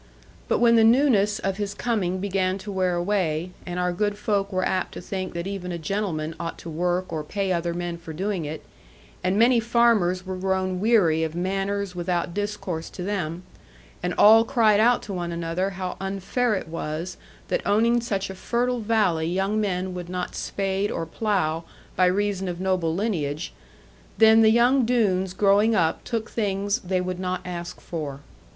But when the newness of his coming began to wear away, and our good folk were apt to think that even a gentleman ought to work or pay other men for doing it, and many farmers were grown weary of manners without discourse to them, and all cried out to one another how unfair it was that owning such a fertile valley young men would not spade or plough by reason of noble lineage then the young Doones growing up took things they would not ask for.